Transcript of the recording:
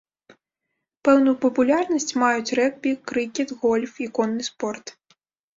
Пэўную папулярнасць маюць рэгбі, крыкет, гольф і конны спорт.